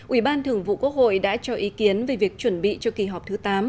ủy ban thường vụ quốc hội đã cho ý kiến về việc chuẩn bị cho kỳ họp thứ tám